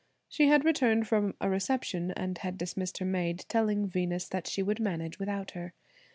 She had returned from a reception, and had dismissed her maid, telling Venus that she would manage without her.